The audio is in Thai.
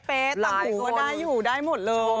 เป๊ะต่อหูก็ได้อยู่ได้หมดเลย